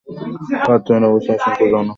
পাঁচজনের অবস্থা আশঙ্কাজনক।